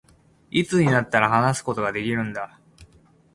いつになったら、話すことができるんだ